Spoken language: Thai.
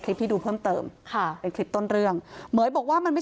คุณพ่อคุณว่าไง